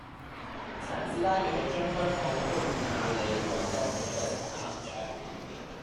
陳師奶要去將軍澳毓雅里搵個朋友一齊打麻雀